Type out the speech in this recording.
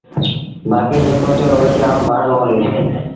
بآڪيٚݩ جيڪو ٿيو اُئي کي آئوݩ پآڻهي مݩهݩ ڏئيٚس